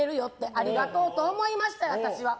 ありがとうと思いました。